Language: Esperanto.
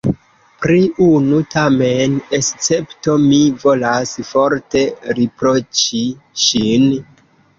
Pri unu tamen escepto mi volas forte riproĉi ŝin.